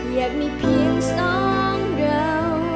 อยากมีเพียงสองเรา